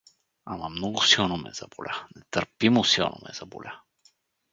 Ама много силно ме заболя, нетърпимо силно ме заболя.